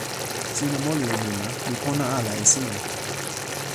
sina moli e mi la, mi pona ala e sina.